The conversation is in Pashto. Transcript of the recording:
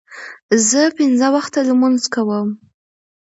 زه پنځه وخته لمونځ کوم.